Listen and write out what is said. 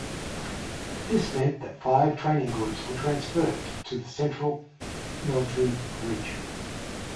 This meant that five training groups were transferred to the Central Military Region.